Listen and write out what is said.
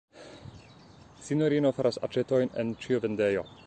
Sinjorino faras aĉetojn en ĉiovendejo.